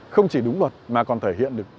không chỉ đúng luật mà còn thể hiện được